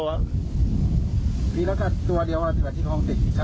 นี่แล้วก็ตัวเดียวกับที่ครองสิบครับ